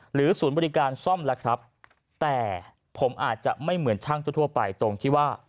ศูนย์บริการซ่อมแล้วครับแต่ผมอาจจะไม่เหมือนช่างทั่วไปตรงที่ว่า